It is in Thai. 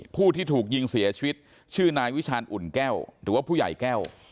ผู้ที่ถูกยิงเสียชีวิตชื่อนายวิชาณอุ่นแก้วหรือว่าผู้ใหญ่แก้ว